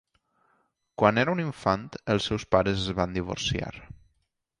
Quan era un infant, els seus pares es van divorciar.